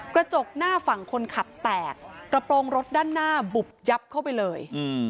กระจกหน้าฝั่งคนขับแตกกระโปรงรถด้านหน้าบุบยับเข้าไปเลย